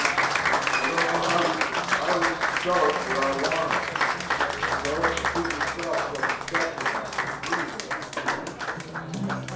I don't know how you Irish spell it, but I want it. Spell it to suit yourself, but fetch it. I'm freezing."